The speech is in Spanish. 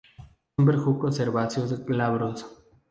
Son bejucos herbáceos, glabros.